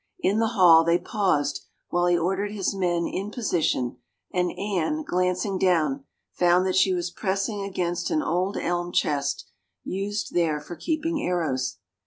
In the hall they paused while he ordered his men in position and Anne, glancing down, found that she was pressing against an old elm chest used there for keeping arrows.